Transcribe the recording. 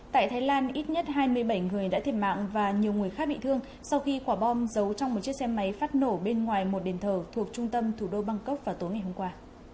tại thái lan ít nhất hai mươi bảy người đã thiệt mạng và nhiều người khác bị thương sau khi quả bom giấu trong một chiếc xe máy phát nổ bên ngoài một đền thờ thuộc trung tâm thủ đô bangkok vào tối ngày hôm qua